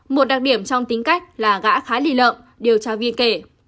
một đặc điểm trong tính cách là gã khá lì lợn điều tra viên kể